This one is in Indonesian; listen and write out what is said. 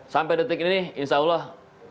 sampai detik ini insya allah